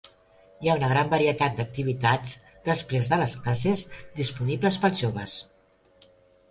Hi ha una gran varietat d'activitats després de les classes disponibles pels joves.